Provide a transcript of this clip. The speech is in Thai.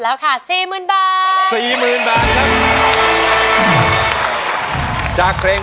ร้องได้ให้ร้อง